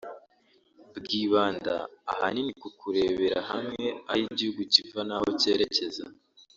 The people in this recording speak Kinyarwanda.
bwibanda ahanini ku kurebera hamwe aho igihugu kiva n’aho cyerekeza